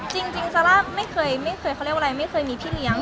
จริงซาร่าไม่เคยเขาเรียกว่าอะไรไม่เคยมีพี่เลี้ยง